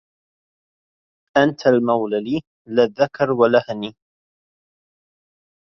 أنت الموله لي لا الذكر ولهني